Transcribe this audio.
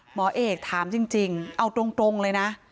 หมอเอกถามจริงเอาตรงเลยนะ